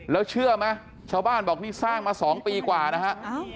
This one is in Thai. แล้วเชื่อไหมชาวบ้านบอกนี่สร้างมา๒ปีกว่านะฮะ